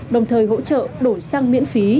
đồng thời hỗ trợ đổi sang miền tây